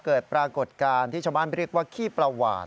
เกิดปรากฏการณ์ที่ชาวบ้านเรียกว่าขี้ประหวาด